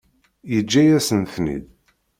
Yeǧǧa-yasen-ten-id.